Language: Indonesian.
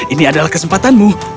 ini adalah kesempatanmu